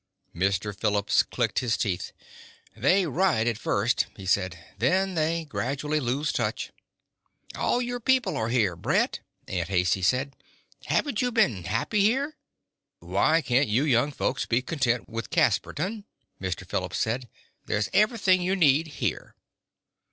Mr. Phillips clicked his teeth. "They write, at first," he said. "Then they gradually lose touch." "All your people are here, Brett," Aunt Haicey said. "Haven't you been happy here?" "Why can't you young folks be content with Casperton?" Mr. Phillips said. "There's everything you need here."